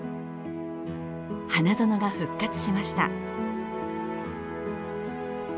花園が復活しました。